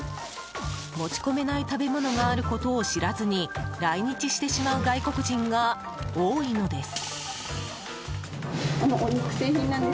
持ち込めない食べ物があることを知らずに来日してしまう外国人が多いのです。